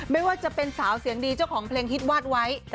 ไม่ว่าจะเป็นสาวเสียงดีเจ้าของเพลงฮิตวาดไว้